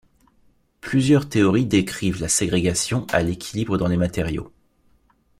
Plusieurs théories décrivent la ségrégation à l'équilibre dans les matériaux.